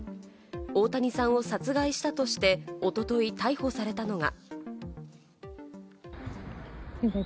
大谷さんを殺害したとして、おととい逮捕されたのが。